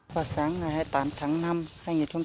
họa sáng ngày hai mươi tám tháng năm hai nghìn hai mươi hai